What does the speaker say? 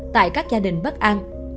tại các gia đình bất an